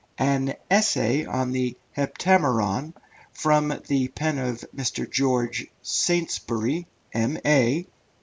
An Essay on the Heptameron from the pen of Mr. George Saintsbury, M.A.